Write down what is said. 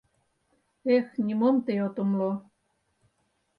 Эх, нимом тый от умыло!